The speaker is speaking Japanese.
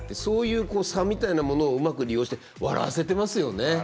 そういう差みたいなものをうまく利用して笑わせてますよね。